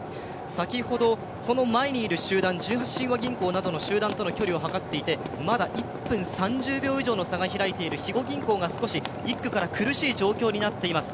先ほどその前にいる集団、十八親和銀行などの集団をはかっていて、まだ１分３０秒以上の差が空いている肥後銀行が少し１区から苦しい状況になっています。